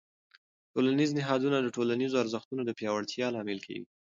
ټولنیز نهادونه د ټولنیزو ارزښتونو د پیاوړتیا لامل کېږي.